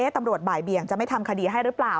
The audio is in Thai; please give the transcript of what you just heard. ตำรวจบ่ายเบี่ยงจะไม่ทำคดีให้หรือเปล่า